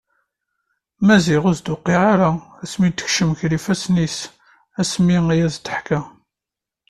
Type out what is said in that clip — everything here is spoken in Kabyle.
Maziɣ ur as-tuqiɛ ara mi d-tekcem gar ifasen-is asmi i as-d-teḥka.